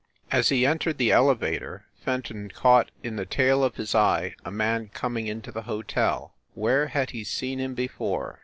As he entered the ele vator Fenton caught in the tail of his eye a man coming into the hotel where had he seen him before?